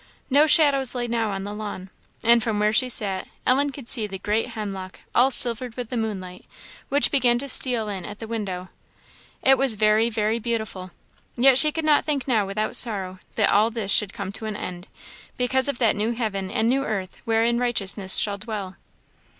No shadows lay now on the lawn; and from where she sat Ellen could see the great hemlock all silvered with the moonlight, which began to steal in at the window. It was very, very beautiful yet she could think now without sorrow that all this should come to an end; because of that new heaven and new earth wherein righteousness should dwell.